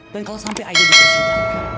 dan kalau sampai aida dipercayai